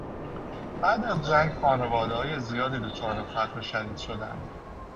بعد از جنگ خانوادههای زیادی دچار فقر شدید شدند.